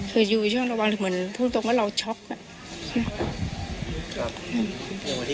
แต่รู้ว่าวันวันวันวันเสาร์นะนัดเจอกันว่าจะไปจะไปกรุงเทพฯกัน